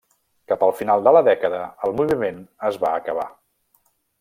Cap al final de la dècada, el moviment es va acabar.